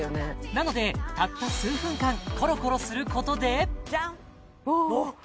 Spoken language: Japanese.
なのでたった数分間コロコロすることでジャンおっ